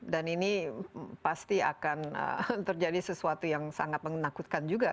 dan ini pasti akan terjadi sesuatu yang sangat menakutkan juga